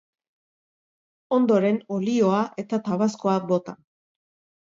Ondoren, olioa eta tabaskoa bota.